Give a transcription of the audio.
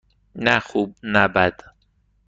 نه خوب - نه بد.